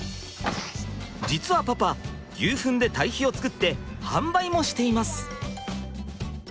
実はパパ牛フンで堆肥をつくって販売もしています。